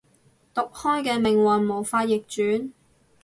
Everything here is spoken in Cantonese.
毒開嘅命運無法逆轉